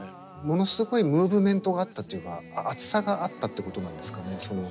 ものすごいムーブメントがあったっていうか熱さがあったってことなんですかね。